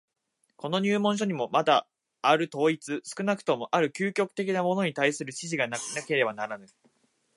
この入門書にもまたある統一、少なくともある究極的なものに対する指示がなければならぬ。